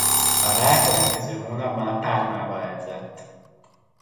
A rá következő hónapban a Parma-val edzett.